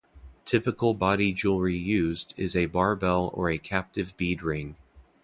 Typical body jewelry used is a barbell or a captive bead ring.